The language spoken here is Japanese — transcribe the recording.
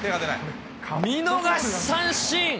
見逃し三振。